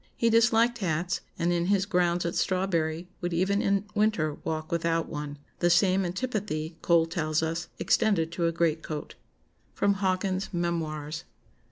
He disliked hats, and in his grounds at Strawberry would even in winter walk without one. The same antipathy, Cole tells us, extended to a greatcoat." [Sidenote: Hawkins's Memoirs.